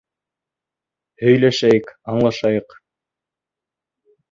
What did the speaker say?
Һөйләшәйек, аңлашайыҡ.